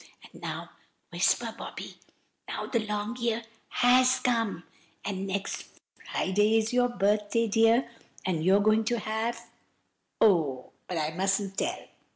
And now,—whisper, Bobby! now the long year has come, and next Friday is your birthday, dear, and you are going to have—oh! but I mustn't tell!"